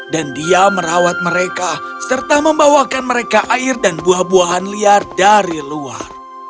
dan dia merawat mereka serta membawakan mereka air dan buah buahan liar dari luar